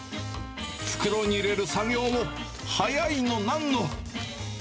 袋に入れる作業も速いのなんの。